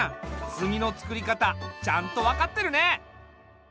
炭のつくり方ちゃんと分かってるね。